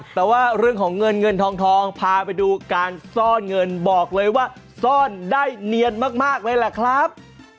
แต่ว่าเรื่องของเงินเงินทองพาไปดูการซ่อนเงินบอกเลยว่าซ่อนได้เนียนมากเลยแหละครับ